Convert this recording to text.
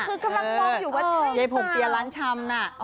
คือกำลังมองว่าใช่ไหม